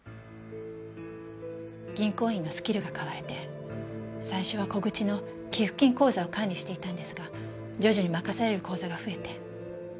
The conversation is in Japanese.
銀行員のスキルが買われて最初は小口の寄付金口座を管理をしていたんですが徐々に任される口座が増えて。